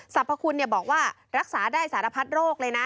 สรรพคุณบอกว่ารักษาได้สารพัดโรคเลยนะ